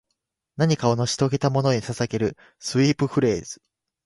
何かを成し遂げたものへ捧げるスウィープフレーズ